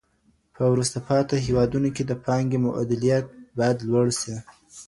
په وروسته پاته هېوادونو کي د پانګي مؤلدېت باید لوړ سي.